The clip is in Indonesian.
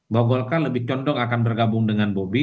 bahwa golkar lebih condong akan bergabung dengan bobi